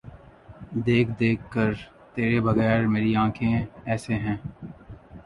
دیکھ دیکھ کہ تیرے بغیر میری آنکھیں ایسے ہیں۔